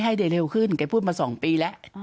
ให้เร็วขึ้นแกพูดมาสองปีแล้ว